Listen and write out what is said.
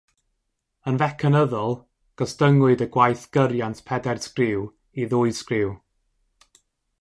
Yn fecanyddol, gostyngwyd y gwaith gyriant pedair sgriw i ddwy sgriw.